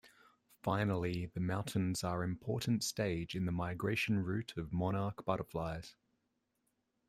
Finally the mountains are important stage in the migration route of monarch butterflies.